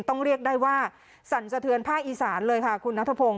ต้องเรียกได้ว่าสั่นสะเทือนภาคอีสานเลยค่ะคุณนัทพงศ